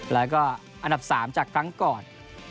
แล้วก็อันดับ๓จากครั้งก่อน